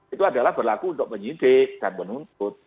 itu adalah berlaku untuk penyidik dan penuntut